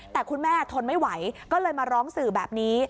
แต่คุณแม่ทนไม่ไหวก็เลยมาร้องสื่อแบบนี้